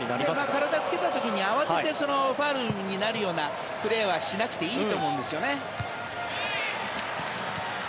体をつけた時に、慌ててファウルになるようなプレーはしなくていいと思うんですよね。